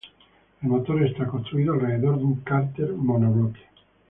El motor está construido alrededor de un cárter monobloque.